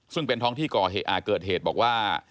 ซึ่งเป็นท้องที่ก่อเหตุบอกว่า